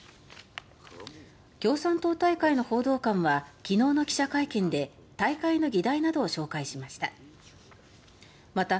共産党大会の報道官は昨日の記者会見で大会の議題などを紹介しました。